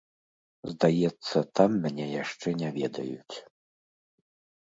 Здаецца, там мяне яшчэ не ведаюць.